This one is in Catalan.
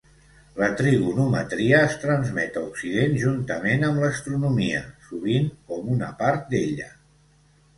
La trigonometria es transmet a Occident juntament amb l'astronomia, sovint com una part d'ella.